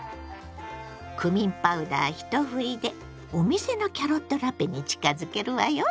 クミンパウダー一振りでお店のキャロットラペに近づけるわよ！